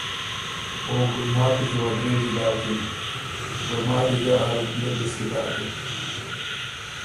او ګلماتی کی وه درېجی داکِن۔ ګلماتی ګه ا روپئے دِست کی داکِن